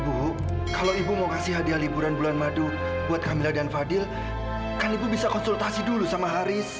bu kalau ibu mau kasih hadiah liburan bulan madu buat kamil dan fadil kan ibu bisa konsultasi dulu sama haris